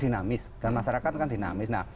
dinamis dan masyarakat kan dinamis nah